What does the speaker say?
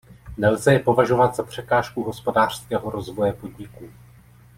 Nelze je považovat za překážku hospodářského rozvoje podniků.